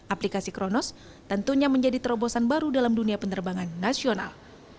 aplikasi kronos tentunya menjadi terobosan baru dalam dunia penerbangan nasional